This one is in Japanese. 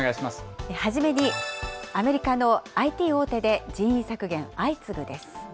初めに、アメリカのＩＴ大手で人員削減相次ぐです。